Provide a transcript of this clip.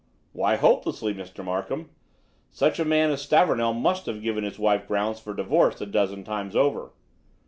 "Why 'hopelessly,' Mr. Narkom? Such a man as Stavornell must have given his wife grounds for divorce a dozen times over."